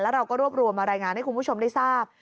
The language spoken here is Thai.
เราก็รวบรวมมารายงานให้คุณผู้ชมได้ทราบ